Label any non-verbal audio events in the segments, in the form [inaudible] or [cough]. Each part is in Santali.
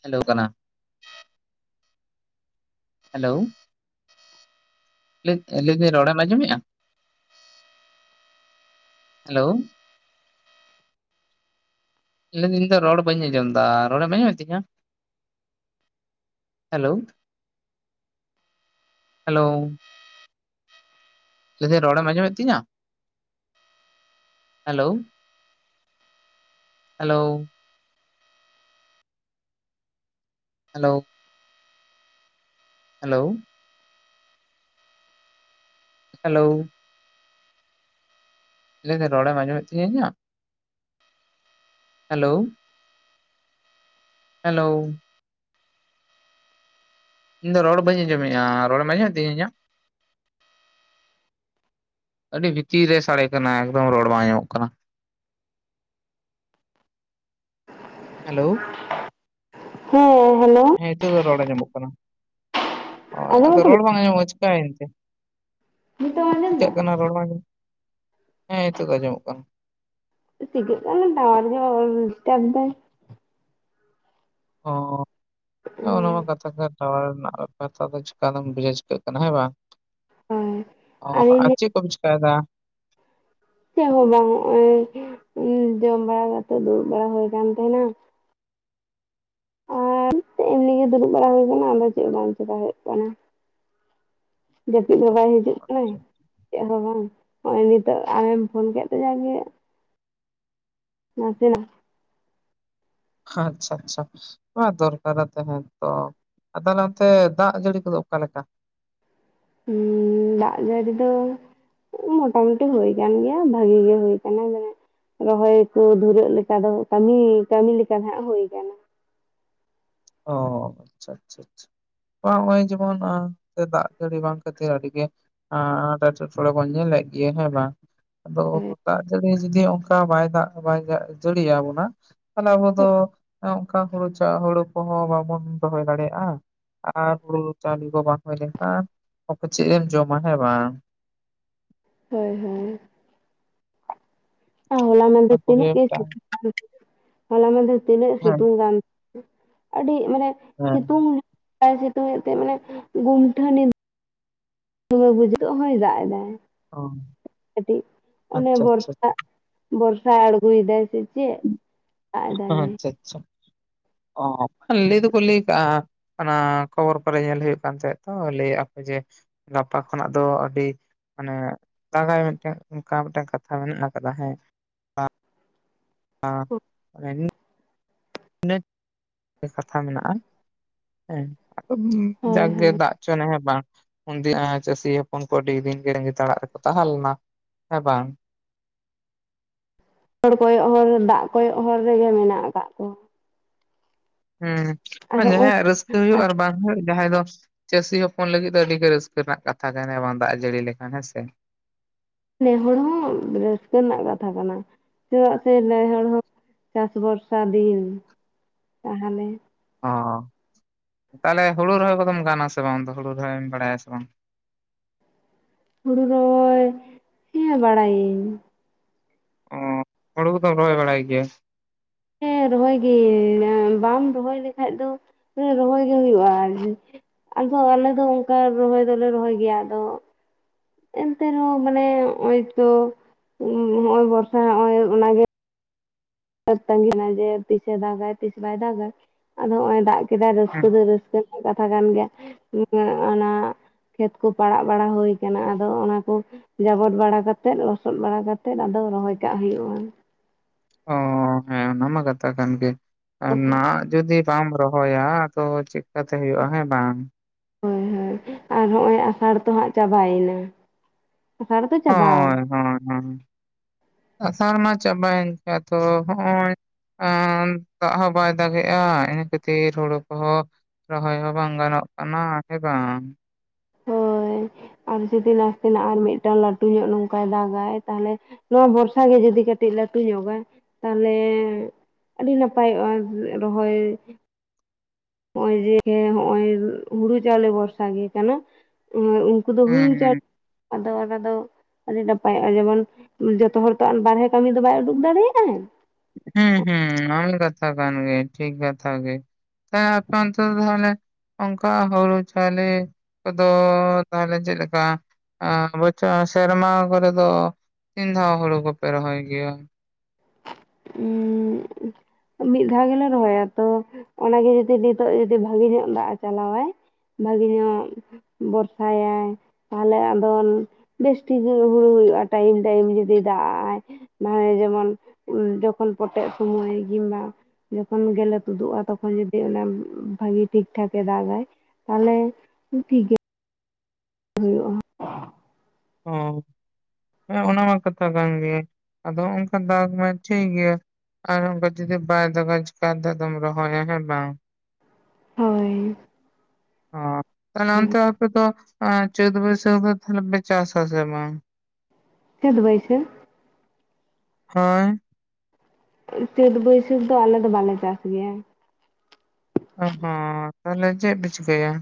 ᱛᱷᱮᱞᱳᱣ ᱠᱟᱱᱟ᱾ ᱦᱮᱞᱳ᱾ ᱞᱮᱜ ᱞᱟᱹᱭ ᱫᱟᱹᱧ ᱨᱚᱲᱮᱢ ᱟᱸᱡᱚᱢᱮᱜ-ᱟ᱾ ᱦᱮᱞᱳ ᱞᱟᱹᱭ ᱫᱟᱹᱧ ᱱᱤᱛᱚᱜ ᱨᱚᱲ ᱵᱟᱹᱧ ᱟᱸᱡᱚᱢ ᱫᱟ᱾ ᱨᱚᱲᱮᱢ ᱟᱸᱡᱚᱢᱮᱜ ᱛᱤᱧᱟ? ᱦᱮᱞᱳ, ᱦᱮᱞᱳ ᱞᱟᱹᱭ ᱫᱟᱹᱧ ᱨᱚᱲᱮᱢ ᱟᱧᱡᱚᱢᱮᱜ ᱛᱤᱧᱟ? Hello, hello. Hello. Hello. Hello. ᱞᱟᱹᱭ ᱫᱟᱹᱧ ᱨᱚᱲᱮᱢ ᱟᱸᱡᱚᱢᱮᱜ ᱛᱤᱧᱟᱹ ᱤᱧᱟᱜ, ᱦᱮᱞᱳ᱾ ᱦᱮᱞᱳ᱾ ᱤᱧᱫᱚ ᱨᱚᱲ ᱵᱟᱹᱧ ᱟᱸᱡᱚᱢᱮᱜ-ᱟ᱾ ᱨᱚᱲᱮᱢ ᱟᱸᱡᱚᱢᱮᱜ ᱛᱤᱧᱟᱹ ᱤᱧᱟᱜ᱾ ᱟᱹᱰᱤ ᱵᱷᱤᱛᱤᱨ ᱨᱮ ᱥᱟᱲᱮ ᱠᱟᱱᱟ ᱮᱠᱫᱚᱢ ᱨᱚᱲ ᱵᱟᱝ ᱧᱟᱢᱚᱜ ᱠᱟᱱᱟ᱾ ᱦᱮᱞᱳ᱾ ᱦᱮᱸ ᱦᱮᱞᱳ᱾ ᱦᱮᱸ ᱱᱤᱸᱛᱚᱜ ᱫᱚ ᱨᱚᱲ ᱟᱸᱢᱚᱢᱚᱜ ᱠᱟᱱᱟ, ᱦᱚᱭ ᱟᱫᱚ ᱟᱸᱡᱚᱢᱚᱜ ᱠᱟᱱᱟ ᱨᱚᱲ ᱵᱟᱝ ᱟᱸᱡᱚᱢᱚᱜᱼᱟ ᱪᱤᱠᱟ ᱭᱮᱱᱛᱮ? ᱱᱤᱛᱚᱜ ᱮᱢ ᱟᱸᱡᱚᱢ ᱪᱤᱠᱟᱜ ᱠᱟᱱᱟ ᱫᱟ ᱨᱚᱲ ᱵᱟᱝ ᱟᱧᱡᱚᱢ ᱦᱮᱸ ᱱᱤᱸᱛᱚᱜ ᱫᱚ ᱟᱸᱡᱚᱢᱚᱜ ᱠᱟᱱᱟ᱾ ᱪᱤᱠᱟᱹᱜ ᱠᱟᱱᱟ ᱴᱟᱣᱟᱨ ᱜᱮ ᱚᱻᱭ ᱰᱤᱥᱴᱟᱵᱽ ᱫᱟᱭ ᱾ ᱦᱚᱸ ᱦᱚᱳ ᱚᱱᱟ ᱢᱟ ᱠᱟᱛᱷᱟ ᱠᱟᱱ ᱾ ᱴᱟᱣᱚᱨ ᱨᱮᱱᱟᱜ ᱠᱟᱛᱷᱟ ᱫᱚ ᱪᱤᱠᱟ ᱞᱟᱝ‌ ᱵᱩᱡᱟ ᱪᱤᱠᱟᱹᱜ ᱠᱟᱱᱟ ᱦᱮᱸ ᱵᱟᱝ᱾ ᱦᱳᱭ ᱚᱸ ᱟᱹᱞᱤᱧ ᱟᱨ ᱞᱤᱧ ᱪᱮᱫ ᱠᱚᱢ ᱪᱤᱠᱟᱭᱮᱫᱟ ᱾ ᱪᱮᱫ ᱦᱚᱸ ᱵᱟᱝ ᱱᱚᱜᱚᱭ ᱡᱚᱢ ᱵᱟᱲᱟ ᱠᱟᱛᱮᱜ ᱫᱩᱲᱩᱵ ᱵᱟᱲᱟ ᱦᱩᱭ ᱠᱟᱱᱟᱱ ᱛᱟᱦᱮᱱᱟ ᱾ ᱮᱢᱱᱤ ᱜᱮ ᱫᱩᱲᱩᱵ ᱵᱟᱲᱟ ᱦᱩᱭ ᱟᱠᱟᱱᱟ ᱟᱫᱚ ᱪᱮᱫ ᱵᱟᱝ ᱪᱮᱠᱟ ᱦᱩᱭᱩᱜ ᱠᱟᱱᱟ ᱾ ᱡᱟᱹᱯᱤᱫ ᱦᱚᱸ ᱵᱟᱭ ᱦᱤᱡᱩᱜ ᱠᱟᱱᱟ ᱪᱮᱫ ᱦᱚᱸ ᱵᱟᱝ ᱾ ᱱᱚᱜ ᱚᱭ ᱱᱤᱛᱚᱜ ᱟᱢᱮᱢ ᱯᱷᱳᱱ ᱠᱮᱫ ᱛᱮ ᱡᱟᱜᱮ ᱾ ᱱᱟ ᱥᱮᱱᱟᱜ ᱾ ᱟᱪᱪᱷᱟ ᱟᱪᱪᱷᱟ ᱚᱱᱟ ᱫᱚᱨᱠᱟᱨᱟ ᱛᱟᱦᱮᱸ ᱛᱚ ᱛᱟᱦᱚᱞᱮ ᱚᱱᱛᱮ ᱫᱟᱜ ᱡᱟᱹᱲᱤ ᱠᱚᱫᱚ ᱚᱠᱟᱮᱠᱟ ᱫᱟᱜ ᱡᱟᱹᱲᱤ ᱫᱚ ᱢᱚᱴᱟ ᱢᱩᱴᱤ ᱦᱩᱭ ᱠᱟᱱ ᱜᱮᱭᱟ ᱵᱷᱟᱹᱜᱤ ᱜᱮ ᱦᱩᱭ ᱟᱠᱟᱱᱟ ᱢᱟᱱᱮ ᱨᱚᱦᱚᱭ ᱠᱩ ᱫᱩᱨᱟᱹᱜ ᱞᱮᱠᱟ ᱫᱚ ᱠᱟᱹᱢᱤ ᱠᱟᱹᱢᱤ ᱞᱮᱠᱟ ᱱᱟᱦᱟᱜ ᱦᱩᱭ ᱟᱠᱟᱱ ᱚᱸ ᱦᱚᱸ ᱟᱪᱷᱟ ᱟᱪᱷᱟ ᱟᱪᱷᱟ ᱵᱟᱝ ᱱᱚᱜᱚᱭ ᱡᱮᱢᱚᱱ ᱫᱟᱜ ᱡᱟᱹᱲᱤ ᱵᱟᱝ ᱠᱷᱟᱹᱛᱤᱨ ᱟᱹᱰᱤ ᱜᱮ ᱾ ᱟᱸ ᱮᱴᱠᱮᱴᱚᱬᱮ ᱵᱚᱱ ᱧᱮᱞᱮᱫ ᱜᱮ ᱦᱮᱸ ᱵᱟᱝ ᱟᱫᱚ ᱫᱟᱜ ᱡᱟ. ᱲᱤ ᱡᱩᱫᱤ ᱚᱱᱠᱟ ᱵᱟᱭ ᱫᱟᱜ ᱵᱟᱭ ᱡᱟᱹᱲᱤ ᱟᱵᱚᱱᱟ ᱾ ᱛᱟᱦᱞᱮ ᱟᱵᱚ ᱫᱚ ᱚᱱᱠᱟ ᱦᱩᱲᱩ ᱪᱟ ᱦᱩᱲᱩ ᱠᱚᱦᱚᱸ ᱵᱟᱵᱚᱱ ᱨᱚᱦᱚᱭ ᱫᱟᱲᱮᱭᱟᱜᱼᱟ ᱟᱨ ᱦᱩᱲᱩ ᱪᱟᱣᱞᱮ ᱠᱚ ᱵᱟᱝ ᱦᱩᱭ ᱞᱮᱱᱠᱷᱟᱱ ᱪᱮᱜ ᱮᱢ ᱡᱚᱢᱟ ᱦᱮᱸ ᱵᱟᱝ ᱦᱳᱭ ᱦᱮᱸ ᱦᱚᱞᱟ ᱚᱱᱟ ᱢᱟᱦᱟᱸᱫᱮᱨ ᱠᱚᱜᱮ ᱛᱤᱱᱟᱹᱜ ᱜᱮ ᱢᱤᱫᱴᱟᱝ ᱥᱤᱛᱩᱸᱜ ᱠᱟᱱ ᱦᱚᱞᱟ ᱢᱟᱦᱟᱸᱫᱮᱨ ᱛᱤᱱᱟᱹᱜ ᱦᱮᱸ ᱥᱤᱛᱩᱝ ᱠᱟᱱ ᱾ ᱟᱹᱰᱤ ᱢᱟᱱᱮ ᱦᱮᱸ ᱥᱤᱛᱩᱝ ᱵᱟᱭ ᱥᱤᱛᱩᱝ ᱮᱫ ᱛᱮ ᱢᱟᱱᱮ ᱜᱩᱢᱴᱷᱟᱹᱱᱤ ᱫᱚᱢᱮ ᱵᱩᱡᱟᱹᱜ ᱦᱚᱭ ᱫᱟᱜ ᱮᱫᱟᱭ ᱚ ᱠᱟᱹᱴᱤᱡ ᱚᱱᱮ ᱟᱪᱪᱷᱟ ᱟᱪᱪᱷᱟ ᱵᱚᱨᱥᱟ ᱵᱚᱨᱥᱟ ᱟᱲᱜᱚᱭ ᱫᱟᱭ ᱥᱮ ᱪᱮᱫ ᱫᱟᱜ ᱮᱫᱟᱭ ᱟᱪᱪᱷᱟ ᱟᱪᱪᱷᱟ ᱚ ᱵᱟᱝᱠᱷᱟᱱ ᱞᱟᱹᱭ ᱫᱚ ᱠᱚ ᱞᱟᱹᱭ ᱠᱟᱜᱼᱟ ᱚᱱᱟ ᱠᱷᱚᱵᱚᱨ ᱠᱚᱨᱮ ᱧᱮᱞ ᱦᱩᱭᱩᱜ ᱠᱟᱱ ᱛᱟᱦᱮᱸᱫ ᱛᱚ ᱞᱟᱹᱭᱮᱫᱟ ᱠᱚ ᱡᱮ ᱜᱟᱯᱟ ᱠᱷᱚᱱᱟᱜ ᱫᱚ ᱟᱹᱰᱤ ᱾ ᱢᱟᱱᱮ ᱫᱟᱜᱟᱭ ᱢᱮᱱ ᱛᱮᱫ ᱚᱱᱠᱟ ᱢᱤᱫᱴᱟᱱ ᱠᱟᱛᱷᱟ ᱢᱮᱱᱟᱜ ᱟᱠᱟᱫᱟ ᱦᱮᱸ [unintelligible] ᱤᱱᱟᱹ ᱜᱮ ᱠᱟᱛᱷᱟ ᱢᱮᱱᱟᱜᱼᱟ ᱦᱮᱸ ᱟᱫᱚ ᱦᱳᱭ ᱡᱟᱠ ᱜᱮ ᱦᱳᱭ ᱫᱟᱜ ᱪᱚᱱᱟᱭ ᱦᱮᱸ ᱵᱟᱝ ᱩᱱᱫᱤᱱ ᱪᱟᱹᱥᱤ ᱦᱚᱯᱚᱱ ᱠᱚ ᱟᱹᱰᱤ ᱫᱤᱱ ᱜᱮ ᱛᱟᱸᱜᱤ ᱟᱲᱟᱜ ᱨᱮᱠᱚ ᱛᱟᱦᱮᱸ ᱞᱮᱱᱟ ᱦᱮᱸ ᱵᱟᱝ ᱦᱚᱲ ᱠᱚᱭᱚᱜ ᱦᱚᱨ ᱫᱟᱜ ᱠᱚᱭᱚᱜ ᱦᱚᱨ ᱨᱮᱜᱮ ᱢᱮᱱᱟᱜ ᱟᱠᱟᱜ ᱠᱚᱣᱟ ᱦᱮᱸ ᱟᱨ ᱱᱚᱜᱼᱚᱭ ᱡᱟᱦᱟᱸᱭᱟᱜ ᱨᱟᱹᱥᱠᱟᱹ ᱦᱩᱭᱩᱜ ᱟᱨ ᱵᱟᱝ ᱡᱟᱦᱟᱸᱭ ᱫᱚ ᱪᱟᱹᱥᱤ ᱦᱚᱯᱚᱱ ᱞᱟᱹᱜᱤᱫ ᱫᱚ ᱟᱹᱰᱤ ᱜᱮ ᱨᱟᱹᱥᱠᱟᱹ ᱨᱮᱱᱟᱜ ᱠᱟᱛᱷᱟ ᱠᱟᱱᱟ ᱵᱟᱝ ᱫᱟᱜ ᱡᱟᱹᱲᱤ ᱞᱮᱠᱷᱟᱱ ᱦᱮᱸᱥᱮ ᱱᱮ ᱦᱚᱲ ᱦᱚᱸ ᱨᱟᱹᱥᱠᱟᱹ ᱨᱮᱱᱟᱜ ᱠᱟᱛᱷᱟ ᱠᱟᱱᱟ ᱪᱮᱫᱟᱜ ᱥᱮ ᱱᱮ ᱦᱚᱲ ᱦᱚᱸ ᱪᱟᱥ ᱵᱷᱚᱨᱥᱟ ᱫᱤᱱ ᱛᱟᱦᱚᱞᱮ ᱚ ᱛᱟᱦᱚᱞᱮ ᱦᱩᱲᱩ ᱨᱚᱦᱚᱭ ᱠᱚᱫᱚᱢ ᱜᱟᱱᱟᱥᱮ ᱵᱟᱝ ᱦᱩᱲᱩ ᱨᱚᱦᱚᱭᱮᱢ ᱵᱟᱲᱟᱭᱟ ᱥᱮ ᱵᱟᱝ ᱦᱩᱲᱩ ᱨᱚᱦᱚᱭ ᱦᱮᱸ ᱵᱟᱲᱟᱭᱟᱹᱧ ᱚ ᱦᱩᱲᱩ ᱠᱚᱫᱚᱢ ᱨᱚᱦᱚᱭ ᱵᱟᱲᱟᱭ ᱜᱮᱭᱟ ᱦᱮᱸ ᱨᱚᱦᱚᱭ ᱜᱮ ᱵᱟᱢ ᱨᱚᱦᱚᱭ ᱞᱮᱠᱷᱟᱡ ᱫᱚ ᱨᱚᱦᱚᱭ ᱜᱮ ᱦᱩᱭᱩᱜᱼᱟ ᱟᱫᱚ ᱟᱞᱮ ᱫᱚ ᱚᱱᱠᱟ ᱨᱚᱦᱚᱭ ᱫᱚᱞᱮ ᱨᱚᱦᱚᱭ ᱜᱮᱭᱟ ᱟᱫᱚ ᱮᱱᱛᱮ ᱨᱮᱦᱚᱸ ᱢᱟᱱᱮ ᱱᱚᱜᱚᱭ ᱛᱚ ᱱᱚᱜ ᱚᱭ ᱵᱚᱨᱥᱟ ᱱᱚᱜ ᱚᱭ ᱚᱱᱟᱜᱮ ᱛᱟᱹᱜᱤᱱᱟ ᱡᱮ ᱛᱤᱥᱮ ᱫᱟᱜᱟ ᱛᱤᱥ ᱵᱟᱭ ᱫᱟᱜᱟ ᱟᱫᱚ ᱱᱚᱜ ᱚᱭ ᱫᱟᱜ ᱠᱮᱫᱟ ᱨᱟᱹᱥᱠᱟᱹ ᱦᱮᱸ ᱫᱚ ᱨᱟᱹᱥᱠᱟᱹ ᱠᱟᱛᱷᱟ ᱠᱟᱱ ᱜᱮᱭᱟ ᱚᱱᱟ ᱠᱷᱮᱛ ᱠᱚ ᱯᱟᱲᱟᱜ ᱵᱟᱲᱟ ᱦᱩᱭ ᱟᱠᱟᱱᱟ ᱟᱫᱚ ᱚᱱᱟ ᱠᱚ ᱡᱟᱵᱚᱰ ᱵᱟᱲᱟ ᱠᱟᱛᱮᱜ ᱞᱚᱥᱚᱫ ᱵᱟᱲᱟ ᱠᱟᱛᱮᱜ ᱟᱫᱚ ᱨᱚᱦᱚᱭ ᱠᱟᱜ ᱦᱩᱭᱩᱜᱼᱟ ᱚᱦᱚ ᱦᱮᱸ ᱚᱱᱟᱢᱟ ᱠᱟᱛᱷᱟ ᱠᱟᱱ ᱜᱮ ᱟᱨ ᱱᱟᱦᱟᱜ ᱡᱩᱫᱤ ᱵᱟᱢ ᱨᱚᱦᱚᱭᱟ ᱟᱫᱚ ᱪᱮᱫ ᱞᱮᱠᱟᱛᱮ ᱦᱩᱭᱩᱜᱼᱟ ᱦᱮᱸ ᱵᱟᱝᱻ ᱦᱳᱭ ᱦᱳᱭ ᱟᱨ ᱦᱚᱸᱜ ᱚᱭ ᱟᱥᱟᱲ ᱛᱚ ᱦᱟᱸᱜ ᱪᱟᱵᱟᱭᱮᱱᱟ᱾ ᱟᱥᱟᱲ ᱫᱚ ᱪᱟᱵᱟᱣ ᱦᱳᱭ ᱦᱳᱭ ᱦᱳ ᱟᱥᱟᱲ ᱢᱟ ᱪᱟᱵᱟᱭᱮᱱ ᱛᱚ ᱟᱫᱚ ᱦᱚᱜ ᱚᱭ ᱟᱱ ᱫᱟᱜ ᱦᱚᱸ ᱵᱟᱭ ᱫᱟᱜᱮᱜᱼᱟ ᱤᱱᱟᱹ ᱠᱷᱟᱹᱛᱤᱨ ᱦᱳᱲᱳ ᱠᱚᱦᱚᱸ ᱨᱚᱦᱚᱭ ᱦᱚᱸ ᱵᱟᱝ ᱜᱟᱱᱚᱜ ᱠᱟᱱᱟ ᱥᱮ ᱵᱟᱝ? ᱦᱚᱭ ᱟᱨ ᱡᱩᱫᱤ ᱱᱟᱥᱮᱱᱟᱜ ᱟᱨ ᱢᱤᱫᱴᱟᱝ ᱞᱟᱹᱴᱩ ᱧᱚᱜ ᱱᱚᱝᱠᱟᱭ ᱫᱟᱜᱟᱭ ᱛᱟᱦᱮᱞᱮ ᱱᱚᱣᱟ ᱵᱷᱚᱨᱥᱟ ᱜᱮ ᱡᱩᱫᱤ ᱠᱟᱹᱴᱤ ᱞᱟᱹᱴᱩ ᱧᱚᱜᱼᱟ ᱛᱟᱦᱚᱞᱮ ᱟᱹᱰᱤ ᱱᱟᱯᱟᱭᱚᱜᱼᱟ ᱨᱚᱦᱚᱭ ᱱᱚᱜᱼᱚᱭ ᱡᱮ ᱦᱚᱜᱚᱭ ᱦᱩᱲᱩ ᱪᱟᱣᱞᱮ ᱵᱷᱚᱨᱥᱟ ᱜᱮ ᱠᱟᱱᱟ᱾ ᱠᱩᱫᱩ ᱜᱩᱦᱩᱢ ᱪᱟᱥ ᱦᱩᱸ ᱟᱫᱚ ᱚᱱᱟ ᱫᱚ ᱟᱹᱰᱤ ᱱᱟᱯᱟᱭᱚᱜᱼᱟ ᱡᱮᱢᱚᱱ ᱡᱚᱛᱚ ᱦᱚᱲ ᱛᱚ ᱵᱟᱨᱦᱮ ᱠᱟᱹᱢᱤ ᱫᱚ ᱵᱟᱭ ᱩᱰᱩᱠ ᱫᱟᱲᱮᱭᱟᱜᱟᱭ᱾ ᱦᱩᱸ ᱦᱩᱸ ᱠᱟᱛᱷᱟ ᱠᱟᱱ ᱜᱮ ᱴᱷᱤᱠ ᱠᱟᱛᱷᱟ ᱜᱮ᱾ ᱦᱮᱸ ᱟᱯᱮ ᱚᱱᱛᱮ ᱫᱚ ᱛᱟᱦᱞᱮ ᱚᱱᱠᱟ ᱦᱩᱲᱩ ᱪᱟᱣᱞᱮ ᱠᱚᱫᱚ ᱛᱟᱦᱚᱞᱮ ᱪᱮᱫ ᱞᱮᱠᱟ? ᱟᱨ ᱵᱚᱪᱷᱚᱨ ᱥᱮᱨᱢᱟ ᱠᱚᱨᱮ ᱫᱚ ᱛᱤᱱ ᱫᱷᱟᱣ ᱦᱩᱲᱩ ᱠᱚᱯᱮ ᱨᱚᱦᱚᱭ ᱜᱮᱭᱟ? ᱩᱸᱜ ᱢᱤᱫ ᱫᱷᱟᱣ ᱜᱮᱞᱮ ᱨᱚᱦᱚᱭᱟ ᱛᱚ᱾ ᱚᱱᱟᱜᱮ ᱡᱩᱫᱤ ᱱᱤᱛᱚᱜ ᱡᱩᱫᱤ ᱵᱷᱟᱜᱤ ᱧᱚᱜ ᱫᱟᱜ ᱮ ᱪᱟᱞᱟᱣᱟᱭ, ᱵᱷᱟᱹᱜᱤ ᱧᱚᱜ ᱵᱚᱨᱥᱟᱭᱟᱭ ᱛᱟᱦᱮᱞᱮ ᱟᱫᱚ ᱵᱮᱥ ᱴᱷᱤᱠ ᱦᱩᱲᱩ ᱦᱩᱭᱩᱜᱼᱟ, ᱴᱟᱭᱤᱢ ᱴᱟᱭᱤᱢ ᱡᱩᱫᱤ ᱫᱟᱜᱼ ᱟᱭ᱾ ᱱᱟᱸᱦᱟ ᱡᱮᱢᱚᱱ ᱡᱚᱠᱷᱚᱱ ᱯᱚᱴᱮ ᱥᱚᱢᱚᱭ ᱡᱤᱢᱟ ᱡᱚᱠᱷᱚᱱ ᱜᱮᱞᱮ ᱛᱩᱫᱩᱜᱼᱟ ᱛᱚᱠᱷᱚᱱ ᱡᱚᱫᱤ ᱚᱱᱟ ᱵᱷᱟᱜᱤ ᱴᱷᱤᱠ ᱴᱷᱟᱠᱮ ᱫᱟᱜᱟᱭ᱾ ᱛᱟᱦᱮᱞᱮ ᱴᱷᱤᱠ ᱜᱮ ᱦᱩᱭᱩᱜᱼᱟ᱾ ᱚᱸ, ᱦᱮᱸ ᱚᱱᱟ ᱢᱟ ᱠᱟᱛᱷᱟ ᱠᱟᱱ ᱜᱮᱭᱟ, ᱟᱫᱚ ᱚᱱᱠᱟ ᱫᱟᱜᱽ ᱢᱟᱭ ᱴᱷᱤᱠ ᱜᱮᱭᱟ, ᱟᱨ ᱚᱱᱠᱟ ᱡᱫᱤ ᱵᱟᱭ ᱫᱟᱡᱽ ᱪᱮᱠᱟ ᱤᱫᱟ ᱠᱟᱛᱮᱢ ᱫᱚᱢ ᱨᱚᱦᱭᱟ ᱦᱮᱸ ᱵᱟᱝ? ᱦᱚᱭ᱾ ᱦᱚᱸ ᱛᱟᱦᱚᱞᱮ ᱚᱱᱛᱮ ᱟᱯᱮ ᱫᱚ ᱪᱟᱹᱛ ᱵᱟᱹᱭᱥᱟᱹᱠᱷ ᱫᱚ ᱛᱟᱦᱮᱞᱮ ᱯᱮ ᱪᱟᱥ ᱟᱥᱮ ᱵᱟᱝ? ᱪᱟᱹᱫᱚ ᱵᱟᱹᱭᱥᱟᱹ? ᱦᱟᱭ᱾ ᱪᱟᱹᱛ ᱵᱟᱹᱭᱥᱟᱹᱠᱷ ᱫᱚ ᱟᱞᱮ ᱫᱚ ᱵᱟᱞᱮ ᱪᱟᱥ ᱜᱮᱭᱟ᱾ ᱚ ᱦᱚᱸ ᱛᱟᱦᱮᱞᱮ ᱪᱮᱫ ᱯᱮ ᱪᱤᱠᱟᱹᱭᱟ?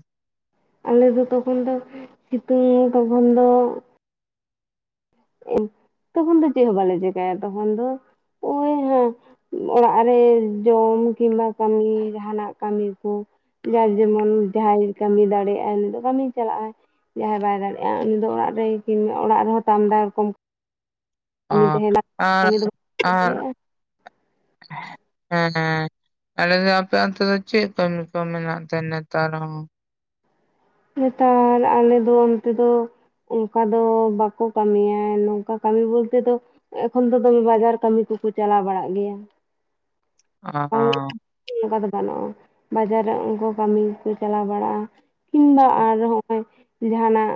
ᱟᱞᱮ ᱫᱚ ᱛᱚᱠᱷᱚᱱ ᱫᱚ ᱥᱤᱛᱩᱝ ᱛᱚᱠᱷᱚᱱ ᱫᱚ ᱛᱚᱠᱷᱚᱱ ᱫᱚ ᱪᱮᱫ ᱦᱚᱸ ᱵᱟᱞᱮ ᱪᱮᱠᱟᱭᱟ, ᱛᱚᱠᱷᱚᱱ ᱫᱚ ᱚᱭᱦᱟᱸ ᱚᱲᱟᱜ ᱨᱮ ᱡᱚᱢ ᱠᱤᱝᱵᱟ ᱠᱟᱹᱢᱤ ᱡᱟᱸᱦᱟᱱᱟᱜ ᱠᱟᱹᱢᱤ ᱠᱚ, ᱡᱟ ᱡᱮᱢᱚᱱ ᱡᱟᱦᱟᱸᱭ ᱠᱟᱹᱢᱤ ᱫᱟᱲᱮᱭᱟᱜᱟᱭ ᱩᱱᱤ ᱫᱚ ᱠᱟᱹᱢᱤ ᱪᱟᱞᱟᱜᱼᱟ᱾ ᱡᱟᱦᱟᱸᱭ ᱵᱟᱭ ᱫᱟᱲᱮᱭᱟᱜᱼᱟ ᱩᱱᱤ ᱫᱚ ᱚᱲᱟᱜ ᱨᱮᱭ ᱠᱤ ᱚᱲᱟᱜ ᱨᱮᱦᱚᱸ ᱛᱟᱢᱫᱟᱲ ᱠᱚᱢ ᱚᱸᱟᱨ, ᱠᱟᱹᱢᱤ ᱫᱚ ᱟᱨᱻ ᱫᱟᱲᱮᱭᱟᱜᱼᱟ [unintelligible] ᱮᱸ ᱟᱞᱮ ᱫᱚ ᱟᱯᱮ ᱚᱱᱛᱮ ᱫᱚ ᱪᱮᱫ ᱠᱟᱹᱢᱤ ᱠᱚ ᱢᱮᱱᱟᱜ ᱛᱮ ᱱᱮᱛᱟᱨ ᱦᱚᱸ? ᱱᱮᱛᱟᱨ ᱟᱞᱮ ᱫᱚ ᱚᱱᱛᱮ ᱫᱚ ᱚᱱᱠᱟ ᱫᱚ ᱵᱟᱠᱚ ᱠᱟᱹᱢᱤᱭᱟ, ᱱᱚᱝᱠᱟ ᱠᱟᱹᱢᱤ ᱵᱚᱞᱛᱮ ᱫᱚ ᱮᱠᱷᱚᱱ ᱫᱚ ᱫᱚᱢᱮ ᱵᱟᱡᱟᱨ ᱠᱟᱹᱢᱤ ᱠᱚᱠᱚ ᱪᱟᱞᱟᱣ ᱵᱟᱲᱟᱜ ᱜᱮᱭᱟ᱾ ᱵᱟᱝ ᱚᱸᱻ ᱚᱱᱠᱟ ᱫᱚ ᱵᱟᱱᱚᱜᱼᱟ ᱵᱟᱡᱟᱨ ᱨᱮ ᱚᱱᱠᱟ ᱠᱟᱹᱢᱤ ᱠᱚ ᱪᱟᱞᱟᱣ ᱵᱟᱲᱟᱜᱼᱟ᱾ ᱠᱤᱢᱵᱟ ᱟᱨ ᱱᱚᱜᱼᱚᱭ ᱡᱟᱸᱦᱱᱟᱜ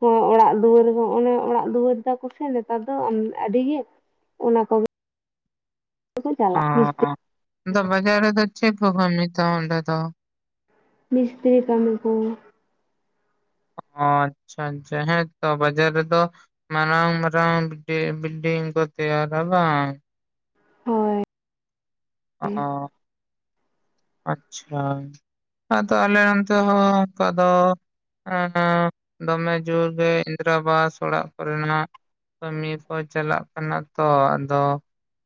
ᱦᱚᱸ ᱚᱲᱟᱜ ᱫᱩᱣᱟᱹᱨ ᱦᱚᱸ ᱦᱚᱸ ᱚᱲᱟᱜ ᱫᱩᱣᱟᱹᱨ ᱛᱟᱠᱚᱥᱮ ᱱᱮᱛᱟᱨ ᱫᱚ ᱟᱹᱰᱤ ᱜᱮ ᱚᱱᱟ ᱠᱚᱜᱮ ᱠᱚ ᱪᱟᱞᱟᱜ ᱢᱤᱥᱛᱨᱤ ᱚᱸᱻ ᱟᱫᱚ ᱵᱟᱡᱟᱨ ᱨᱮ ᱫᱚ ᱪᱮᱫ ᱠᱚ ᱠᱟᱹᱢᱤ ᱛᱟᱦᱮᱸ ᱚᱰᱮ ᱫᱚ? ᱢᱤᱥᱛᱨᱤ ᱠᱟᱹᱢᱤ ᱠᱚ᱾ ᱦᱚᱸ ᱟᱪᱪᱷᱟ ᱟᱪᱪᱷᱟ ᱦᱮᱸ ᱛᱚ᱾ ᱵᱟᱡᱟᱨ ᱨᱮᱫᱚ ᱢᱟᱨᱟᱝ ᱢᱟᱨᱟᱝ ᱵᱤᱞᱰᱤᱝ ᱠᱚ ᱛᱮᱭᱟᱨ ᱵᱟᱝ᱾ ᱦᱚᱭ ᱚᱸ ᱟᱪᱪᱷᱟ ᱟᱫᱚ ᱟᱞᱮ ᱚᱱᱛᱮ ᱦᱚᱸ ᱚᱱᱠᱟ ᱫᱚ ᱩᱸ ᱫᱚᱢᱮ ᱡᱳᱨ ᱜᱮ ᱤᱱᱫᱨᱟ ᱵᱟᱥ ᱚᱲᱟᱜ ᱠᱚ ᱨᱮᱱᱟᱜ ᱠᱟᱹᱢᱤ ᱠᱚ ᱪᱟᱞᱟᱜ ᱠᱟᱱᱟ ᱛᱚ ᱟᱫᱚ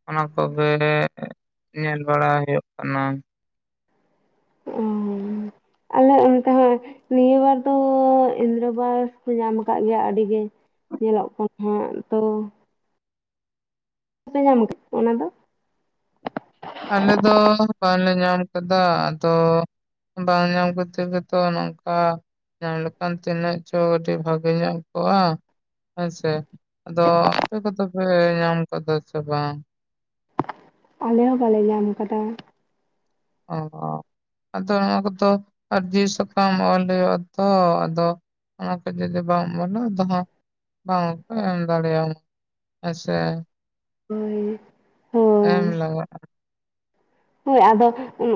ᱚᱱᱟ ᱠᱚᱜᱮ ᱧᱮᱞ ᱵᱟᱲᱟ ᱦᱳᱭᱳᱜ ᱠᱟᱱᱟ᱾ ᱚ ᱟᱞᱮ ᱚᱱᱛᱮ ᱦᱚᱸ ᱱᱤᱭᱟᱹ ᱵᱟᱨ ᱫᱚ ᱤᱱᱫᱨᱟᱵᱟᱥ ᱠᱚ ᱧᱟᱢ ᱟᱠᱟᱫ ᱜᱮᱭᱟ ᱟᱹᱰᱤ ᱜᱮ ᱧᱮᱞᱚᱜ ᱠᱟᱱ ᱛᱚ ᱵᱟᱯᱮ ᱧᱟᱢ ᱟᱠᱟᱫᱟ᱾ ᱚᱱᱟ ᱫᱚ ᱟᱞᱮ ᱫᱚ ᱵᱟᱞᱮ ᱧᱟᱢ ᱠᱟᱫᱟ ᱟᱫᱚ᱾ ᱵᱟᱝ ᱧᱟᱢ ᱠᱷᱟᱛᱤᱨ ᱜᱮ ᱛᱚ, ᱱᱚᱝᱠᱟ ᱧᱟᱢ ᱞᱮᱠᱷᱟᱱ ᱛᱤᱱᱟᱹᱜ ᱪᱚ ᱟᱹᱰᱤ ᱵᱷᱟᱹᱜᱤ ᱧᱚᱜ ᱠᱚᱜᱼᱟ᱾ ᱦᱮᱸᱥᱮ ᱟᱫᱚ ᱟᱯᱮ ᱠᱚ ᱫᱚ ᱯᱮ ᱧᱟᱢ ᱠᱟᱫᱟ ᱥᱮ ᱵᱟᱝ ᱟᱞᱮ ᱦᱚᱸ ᱵᱟᱞᱮ ᱧᱟᱢ ᱠᱟᱫᱟ᱾ ᱚ ᱟᱫᱚ ᱱᱚᱣᱟ ᱠᱚᱫᱚ ᱟᱨᱡᱤ ᱥᱟᱠᱟᱢ ᱚᱞ ᱦᱳᱭᱳᱜᱼᱟ ᱛᱚ ᱟᱫᱚ ᱚᱱᱟ ᱠᱚ ᱡᱩᱫᱤ ᱵᱟᱢ ᱚᱞᱟ [unintelligible] ᱵᱟᱝ ᱦᱚᱸ ᱠᱚ ᱮᱢ ᱫᱟᱲᱮᱭᱼᱟ᱾ [unintelligible] ᱦᱳᱭ ᱦᱳᱭ ᱮᱢ ᱞᱟᱜᱟᱜ-ᱟ ᱦᱳᱭ ᱟᱫᱚ ᱮᱢ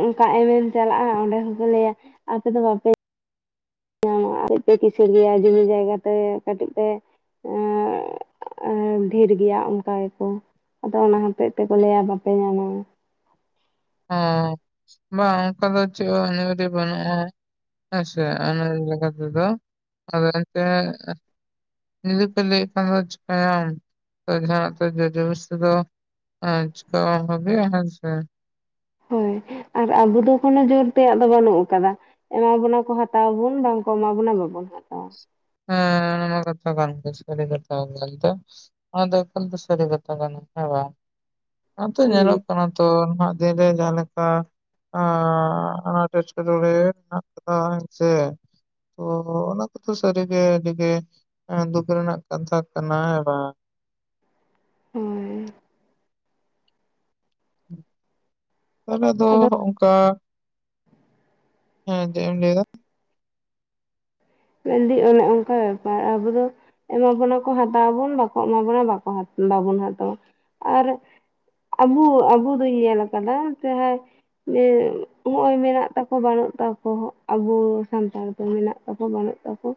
ᱮᱢ ᱪᱟᱞᱟᱜᱼᱟ ᱚᱸᱰᱮ ᱦᱚᱸᱯᱮ ᱞᱟᱹᱭ-ᱟ ᱟᱯᱮ ᱫᱚ ᱵᱟ ᱯᱮ [unintelligible] [unintelligible] ᱠᱤᱥᱟᱹᱲ ᱜᱮᱭᱟ ᱡᱚᱢᱤ ᱡᱟᱭᱜ-ᱟ ᱛᱮ ᱠᱟᱹᱴᱤᱡ ᱯᱮ ᱰᱷᱮᱨ ᱜᱮᱭᱟ ᱚᱱᱠᱟᱭ-ᱟ ᱠᱚ ᱟᱫᱚ ᱚᱱᱟ ᱦᱚᱛᱮᱡ ᱛᱮᱠᱚ ᱞᱟᱹᱭ-ᱟ ᱵᱟᱯᱮ ᱧᱟᱢᱟ᱾ ᱚ ᱵᱟᱝ ᱚᱝᱠᱟ ᱫᱚ ᱪᱮᱫ ᱦᱚᱸ [unintelligible] ᱵᱟᱹᱱᱩᱜᱼᱟ ᱦᱮᱸ ᱥᱮ ᱚᱱᱟ ᱞᱮᱠᱟᱛᱮ ᱡᱩᱫᱤ ᱯᱮ ᱞᱟᱹᱭ ᱮᱫ ᱠᱷᱟᱱ ᱫᱚ ᱪᱤᱠᱟᱭᱼᱟᱢ ᱛᱚ ᱡᱟᱸᱦᱟᱱᱟᱜ ᱛᱚ ᱡᱳᱨ ᱡᱳᱵᱳᱥᱛᱤ ᱫᱚ [unintelligible] [unintelligible] ᱦᱮᱸ ᱥᱮ ᱦᱳᱭ ᱟᱨ ᱟᱵᱚ ᱫᱚ ᱠᱳᱱᱳ ᱡᱳᱨ ᱛᱮᱭᱟᱜ ᱫᱚ ᱵᱟᱹᱱᱩᱜ ᱟᱠᱟᱫᱟ᱾ ᱮᱢᱟ ᱵᱚᱱᱟ ᱠᱚ ᱦᱟᱛᱟᱣ ᱟᱵᱩᱱ ᱵᱟᱝ ᱠᱚ ᱮᱢᱟ ᱵᱚᱱᱟ ᱵᱟᱵᱚᱱ ᱦᱟᱛᱟᱣᱟ᱾ ᱦᱮ ᱚᱱᱟ ᱢᱟ ᱠᱟᱛᱷᱟ [unintelligible] ᱥᱟᱹᱨᱤ ᱠᱟᱛᱷᱟ ᱠᱟᱱᱜᱮᱭ-ᱟ᱾ [unintelligible] ᱮᱠᱟᱞ ᱛᱮ ᱥᱟᱹᱨᱤ ᱠᱟᱛᱷᱟ ᱠᱟᱱᱜᱮᱭ-ᱟ ᱦᱮᱸ ᱵᱟᱝ ᱟᱫᱚ ᱦᱩᱸ ᱧᱮᱞᱚᱜ ᱠᱟᱱᱟ᱾ ᱛᱚ ᱱᱟᱦᱟᱜ ᱫᱤᱱᱨᱮ ᱡᱟᱸᱦᱟ ᱞᱮᱠᱟ, [unintelligible] ᱟᱱᱟᱴ ᱮᱴᱠᱮᱴᱚᱬᱮ ᱢᱮᱱᱟᱜ ᱟᱠᱟᱫᱟ ᱦᱮᱸᱥᱮ ᱛᱚ ᱚᱱᱟ ᱠᱚᱫᱚ ᱥᱟᱹᱨᱤ ᱜᱮ ᱟᱹᱰᱤᱜᱮ ᱫᱩᱠ ᱨᱮᱱᱟᱜ ᱠᱟᱛᱷᱟ ᱠᱟᱱᱟ ᱦᱮᱸ ᱵᱟᱝ ᱦᱮᱸ ᱟᱞᱮ ᱫᱚ ᱟᱫᱚ ᱚᱱᱠᱟ ᱦᱮᱸ ᱪᱮᱫ ᱮᱢ ᱞᱟᱹᱭ ᱫᱟ? ᱢᱮᱱ ᱫᱤ ᱚᱱᱮ ᱚᱝᱠᱟ ᱵᱮᱯᱟᱨ ᱟᱵᱚ ᱫᱚ ᱮᱢᱟ ᱵᱚᱱᱟ ᱠᱚ ᱦᱟᱛᱟᱣ ᱟᱵᱚᱱ ᱵᱟ ᱠᱚ ᱮᱢᱟ ᱵᱟᱵᱚᱱ ᱵᱟᱵᱚᱱ ᱦᱟᱛᱟᱣᱟ ᱟᱨ ᱟᱵᱩ ᱟᱵᱩ ᱫᱚᱸᱧ ᱧᱮᱞ ᱟᱠᱟᱫᱟ ᱥᱮ ᱡᱮ ᱦᱚᱜ-ᱚᱭ ᱢᱮᱱᱟᱜ ᱛᱟᱠᱚ ᱵᱟᱹᱱᱩᱜ ᱛᱟᱠᱚ ᱟᱵᱚ ᱥᱟᱱᱛᱟᱲ ᱫᱚ ᱦᱮᱱᱟᱜ ᱛᱟᱠᱚ ᱵᱟᱹᱱᱩᱜ ᱛᱟᱠᱚ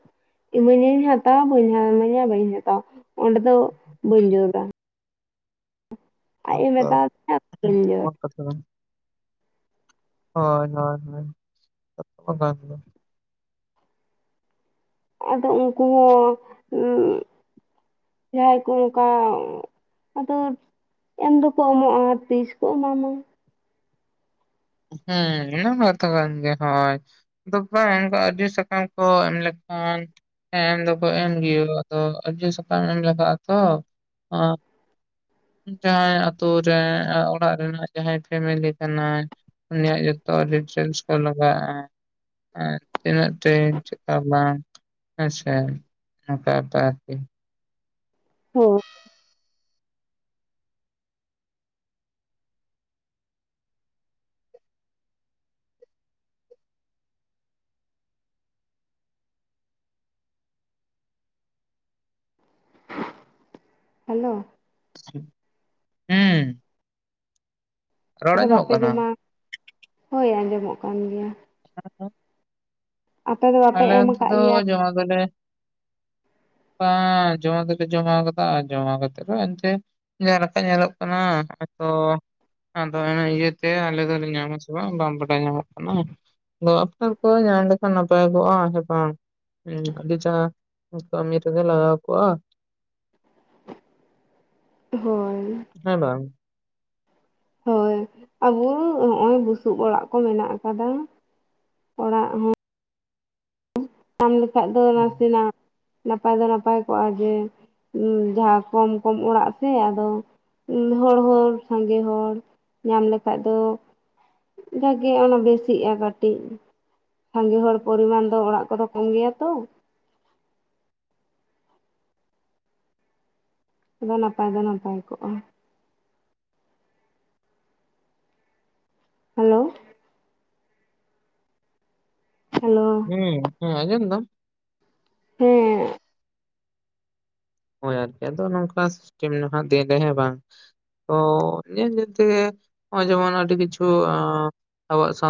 ᱤᱢᱟᱹ ᱧᱟ ᱦᱟᱛᱟᱣᱟ ᱵᱟᱹᱧ ᱤᱢᱟᱹᱧ-ᱟ ᱵᱟᱹᱧ ᱦᱟᱛᱟᱣᱟ ᱚᱸᱰᱮ ᱫᱚ ᱵᱟᱹᱧ ᱡᱳᱨ ᱫᱟ ᱟᱡ ᱮ ᱢᱮᱛᱟ ᱫᱤᱧᱟ. [unintelligible] ᱦᱳᱭ ᱦᱳᱭ ᱦᱳᱭ ᱟᱫᱚ ᱩᱱᱠᱩ ᱦᱚᱸ ᱡᱟᱦᱟᱸᱭ ᱠᱚ ᱚᱝᱠᱟ ᱟᱫᱚ ᱮᱢ ᱫᱚᱠᱚ ᱮᱢᱚᱜᱼᱟ ᱛᱤᱥ ᱠᱚ ᱮᱢᱟ ᱢᱟ? ᱦᱩᱸ [unintelligible] ᱠᱟᱛᱷᱟ ᱠᱟᱱ ᱜᱮᱭᱼᱟ [unintelligible] [unintelligible] [unintelligible] ᱟᱨᱡᱤ ᱥᱟᱠᱟᱢ ᱠᱚ ᱮᱢ ᱞᱮᱠᱷᱟᱱ, ᱦᱮᱸ ᱮᱢ ᱫᱚ ᱠᱚ ᱮᱢ ᱜᱮᱭ-ᱟ ᱟᱫᱚ ᱟᱨᱡᱤ ᱥᱟᱠᱟᱢ ᱮᱢ ᱞᱟᱜᱟᱜᱼᱟ ᱛᱚ ᱡᱟᱦᱟᱸᱭ ᱟᱛᱳ ᱨᱮ ᱚᱲᱟᱜ ᱨᱮᱱᱟᱜ ᱡᱟᱸᱦᱟᱭ ᱯᱷᱮᱢᱮᱞᱤ ᱠᱟᱱᱟᱭ ᱾ ᱩᱱᱤᱭ-ᱟᱜ ᱡᱚᱛᱚ [unintelligible] ᱞᱟᱜᱟᱜᱼᱟ ᱟᱨ ᱛᱤᱱᱟᱹᱜ [unintelligible] ᱵᱟᱝ ᱦᱮᱸᱥᱮ ᱱᱮᱛᱟᱨ ᱫᱚ ᱟᱨᱠᱤ᱾ ᱦᱩᱸ ᱦᱮᱞᱳ ᱦᱩᱸ ᱨᱚᱲ ᱟᱫᱚ ᱟᱸᱡᱚᱢᱚᱜ ᱵᱟᱯᱮ ᱠᱟᱱᱟ ᱡᱚᱢᱟ ᱦᱳᱭ ᱟᱸᱡᱚᱢᱚᱜ ᱠᱟᱱ ᱜᱮᱭᱟ ᱾ [unintelligible] ᱟᱯᱮ ᱫᱚ ᱵᱟᱯᱮ ᱮᱢ ᱟᱠᱟᱫ ᱞᱮᱭᱟ ᱾ ᱚᱱᱟ ᱫᱚᱞᱮ [inaudible] ᱮᱸᱻ ᱡᱚᱢᱟ ᱫᱚᱞᱮ ᱡᱚᱢᱟ ᱟᱠᱟᱫᱟ ᱡᱚᱢᱟᱠᱟᱛᱮᱫ ᱮᱱᱛᱮ ᱡᱟᱦᱟᱸ ᱞᱮᱠᱟ ᱧᱮᱞᱚᱜ ᱠᱟᱱᱟ ᱦᱚᱭ ᱛᱚ ᱾ ᱟᱫᱚ ᱤᱭᱟᱹᱛᱮ ᱟᱞᱮ ᱫᱚᱞᱮ ᱧᱟᱢᱟ ᱥᱮ ᱵᱟᱝ ᱵᱟᱰᱟᱭ ᱧᱟᱢᱚᱜ ᱠᱟᱱᱟ ᱾ ᱟᱫᱚ ᱟᱯᱱᱟᱨ ᱠᱚ ᱧᱟᱢ ᱞᱮᱠᱷᱟᱱ ᱱᱟᱯᱟᱭ ᱠᱚᱜᱼᱟ ᱦᱮᱸ ᱥᱮ ᱵᱟᱝ ᱦᱩᱸ ᱟᱹᱰᱤ ᱡᱟᱦᱟᱸ ᱠᱟᱹᱢᱤ ᱨᱮᱜᱮ ᱞᱟᱜᱟᱣ ᱠᱚᱣᱟ ᱾ ᱦᱚᱸ ᱦᱮ ᱵᱟᱝ? ᱦᱳᱭ ᱟᱵᱚ ᱱᱚᱜᱼᱚᱭ ᱵᱩᱥᱩᱵ ᱚᱲᱟᱜ ᱠᱚ ᱢᱮᱱᱟᱜ ᱟᱠᱟᱫᱟ ᱚᱲᱟᱜ ᱦᱚᱸ ᱧᱟᱢ ᱞᱮᱠᱷᱟᱡ ᱫᱚ ᱱᱟᱥᱮᱱᱟᱜ ᱱᱟᱯᱟᱭ ᱫᱚ ᱱᱟᱯᱟᱭ ᱠᱚᱜᱼᱟ ᱡᱮ ᱡᱟᱦᱟᱸ ᱠᱚᱢ, ᱠᱚᱢ ᱚᱲᱟᱜ ᱥᱮ ᱟᱫᱚ ᱦᱚᱸ ᱦᱚᱲ ᱦᱚᱸ ᱥᱟᱸᱜᱮ ᱦᱚᱲ ᱧᱟᱢ ᱞᱮᱠᱷᱟᱡ ᱫᱚ ᱵᱷᱟᱜᱮ ᱚᱱᱟ ᱵᱮᱥᱤᱜᱼᱟ ᱠᱟᱹᱴᱤᱡ ᱥᱟᱸᱜᱮ ᱦᱚᱲ ᱯᱚᱨᱤᱢᱟᱱ ᱫᱚ ᱚᱲᱟᱜ ᱠᱚᱫᱚ ᱠᱚᱢ ᱜᱮᱭᱟ ᱛᱚ ᱟᱫᱚ ᱱᱟᱯᱟᱭ ᱫᱚ ᱱᱟᱯᱟᱭ ᱠᱚᱜᱼᱟ ᱾ ᱦᱮᱞᱳ ᱦᱮᱞᱳ ᱦᱩᱸ ᱦᱮᱸ ᱟᱡᱚᱢ ᱫᱟᱢ? ᱦᱮᱸ ᱾ ᱦᱳᱭ ᱟᱨᱠᱤ ᱟᱫᱚ ᱱᱚᱝᱠᱟ ᱥᱤᱥᱴᱮᱢ [unintelligible] ᱨᱮᱦᱮᱸ ᱵᱟᱝ ᱛᱚ ᱧᱮᱞ ᱧᱮᱞ ᱛᱮᱜᱮ ᱱᱚᱜᱼᱚᱭ ᱡᱮᱢᱚᱱ ᱟᱹᱰᱤ ᱠᱤᱪᱷᱩ ᱟᱵᱚᱣᱟᱜ ᱥᱟᱶ